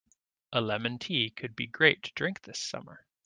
A lemon tea could be great to drink this summer.